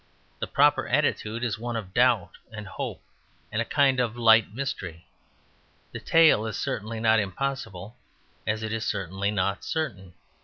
The proper attitude is one of doubt and hope and of a kind of light mystery. The tale is certainly not impossible; as it is certainly not certain.